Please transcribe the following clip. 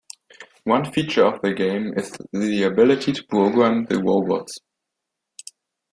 One feature of the game is the ability to program the robots.